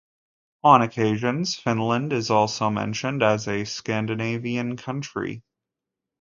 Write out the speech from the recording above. On occasions Finland is also mentioned as a "Scandinavian country".